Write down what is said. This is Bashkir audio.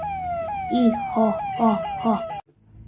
И-һо-һо-һо!